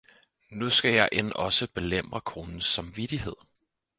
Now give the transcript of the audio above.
Nu skal jeg endogså belemre konens samvittighed